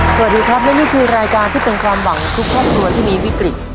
สวัสดีครับและนี่คือรายการที่เป็นความหวังของทุกครอบครัวที่มีวิกฤต